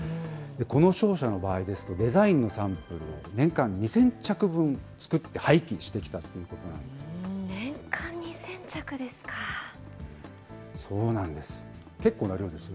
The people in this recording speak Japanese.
この商社の場合ですと、デザインのサンプルを年間２０００着分作って廃棄してきたということなんです。